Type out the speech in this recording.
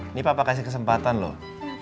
ini papa kasih kesempatan loh